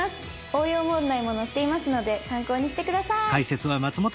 応用問題も載っていますので参考にして下さい。